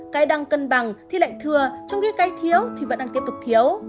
cái đang cân bằng thì lại thừa trong khi cái thiếu thì vẫn đang tiếp tục thiếu